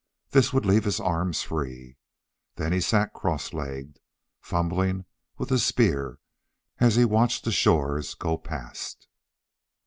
This would leave his arms free. Then he sat cross legged, fumbling with the spear as he watched the shores go past.